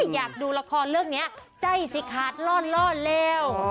อยากดูละครเรื่องนี้ใจสิขาดล่อเลว